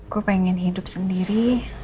gue pengen hidup sendiri